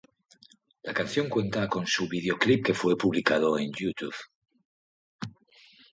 La canción cuenta con su videoclip que fue publicado en YouTube.